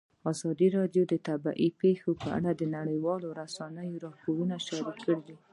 ازادي راډیو د طبیعي پېښې په اړه د نړیوالو رسنیو راپورونه شریک کړي.